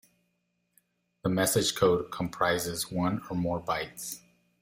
The message code comprises one or more bytes.